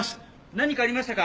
何かありましたか？